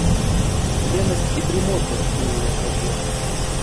Ленасць і дрымотнасць у яе хадзе.